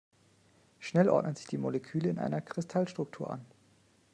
Schnell ordnen sich die Moleküle in einer Kristallstruktur an.